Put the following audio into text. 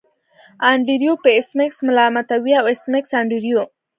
انډریو به ایس میکس ملامتوي او ایس میکس انډریو